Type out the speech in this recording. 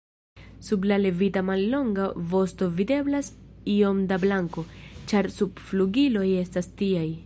Sub la levita mallonga vosto videblas iom da blanko, ĉar subflugiloj estas tiaj.